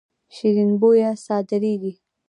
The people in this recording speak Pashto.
شیرین بویه صادریږي.